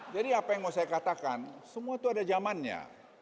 jadi apa yang mau saya katakan semua itu ada zamannya